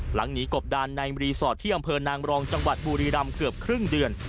หนีกบดานในรีสอร์ทที่อำเภอนางรองจังหวัดบุรีรำเกือบครึ่งเดือน